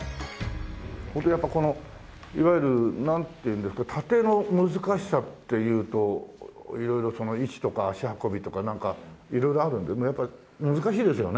やっぱこのいわゆるなんていうんですか殺陣の難しさっていうと色々その位置とか足運びとかなんか色々あるんでやっぱ難しいですよね？